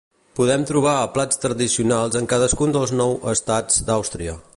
Podem trobar plats tradicionals en cadascun dels nou estats d'Àustria.